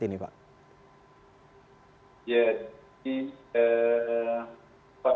berapa katanya pak